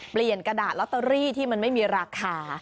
กระดาษลอตเตอรี่ที่มันไม่มีราคา